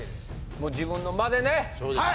もう自分の間でねはい！